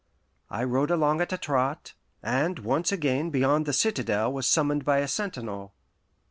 I rode along at a trot, and once again beyond the citadel was summoned by a sentinel.